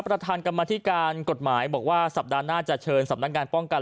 ประธานกรรมธิการกฎหมายบอกว่าสัปดาห์หน้าจะเชิญสำนักงานป้องกัน